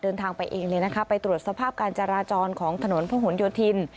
เดินทางไปเองเลยนะคะไปตรวจสภาพการจราจรของถนนพระหลโยธิน